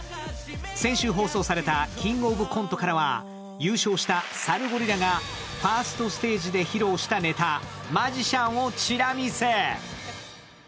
先週放送された「キングオブコント」からは優勝したサルゴリラがファーストステージで披露したネタ、「マジシャン」をチラ見せ。